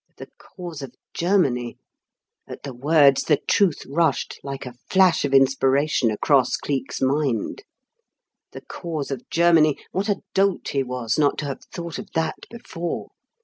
The cause of Germany! At the words the truth rushed like a flash of inspiration across Cleek's mind. The cause of Germany! What a dolt he was not to have thought of that before!